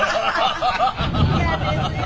嫌ですよ